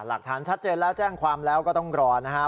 หลักฐานชัดเจนแล้วแจ้งความแล้วก็ต้องรอนะฮะ